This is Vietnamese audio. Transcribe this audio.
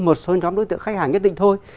một số nhóm đối tượng khách hàng nhất định thôi